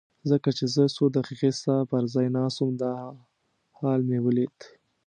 ځکه چې زه څو دقیقې ستا پر ځای ناست وم دا حال مې ولید.